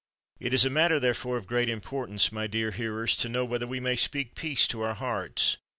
It is a matter, therefore, of great importance, my dear hearers, to know whether we may speak peace to our hearts.